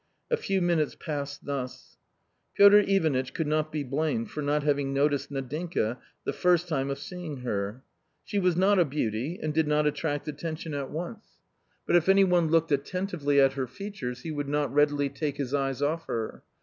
A.few minutes passed thus. Piotr Ivanitch could not be blamed for not having noticed Nadinka the first time of seeing her. She was not a beauty, and did not attract attention at once. A COMMON STORY 85 But if any one looked attentively at her features, he would not readily take his eyes off her.